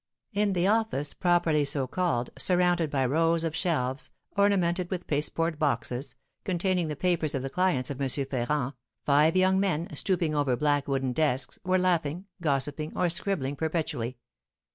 In the office, properly so called, surrounded by rows of shelves, ornamented with pasteboard boxes, containing the papers of the clients of M. Ferrand, five young men, stooping over black wooden desks, were laughing, gossiping, or scribbling perpetually.